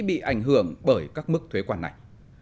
bị ảnh hưởng bởi các mức thuế quan này